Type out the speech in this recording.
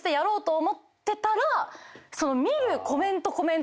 見る。